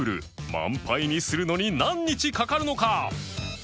満杯にするのに何日かかるのか？